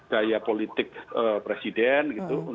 gaya politik presiden